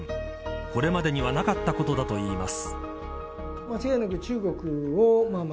これまでにはなかったことだといいます。